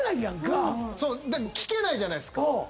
聞けないじゃないっすか。